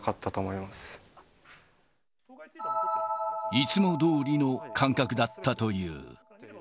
いつもどおりの感覚だったという。